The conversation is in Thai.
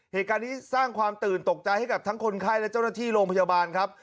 เหตุการณ์นี้สร้างความตื่นตกใจให้กับทั้งคนไข้และเจ้าหน้าที่โรงพยาบาลครับ